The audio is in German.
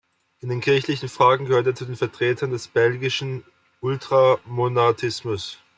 In den kirchlichen Fragen gehörte er zu den Vertretern des belgischen Ultramontanismus.